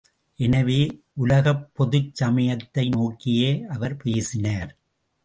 எனவே, உலகப்பொதுச் சமயத்தை நோக்கியே அவர் பேசினார்.